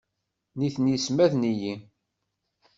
Nitni ssmaden-iyi.